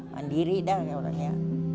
mandiri dah orangnya